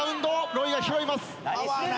ロイが拾います。